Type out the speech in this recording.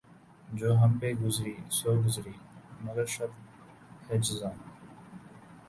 جو ہم پہ گزری سو گزری مگر شب ہجراں